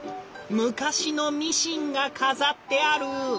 昔のミシンが飾ってある！